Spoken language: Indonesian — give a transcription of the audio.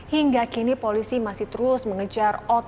hingga kini polisi masih terus mengejar otak